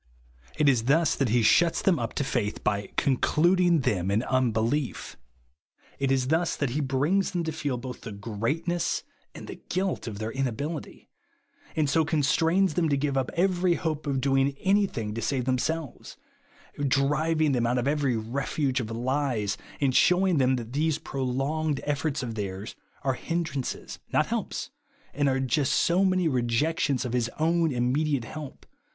It is thus that he shuts them up to faith, by "concluding them in unbelief." It is thus that he brings them to feel both the greatness and the guilt of their inability ; and so constrains them to give up every hope of doing any thing to save themselves ;— driving them out of every refuge of lies, and shewing them that these prolonged efforts of theirs are hindrances, not helps, and are just so many rejections of his own immediate help.